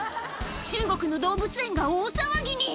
中国の動物園が大騒ぎに。